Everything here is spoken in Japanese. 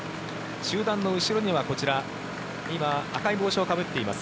集団の後ろにはこちら、今赤い帽子をかぶっています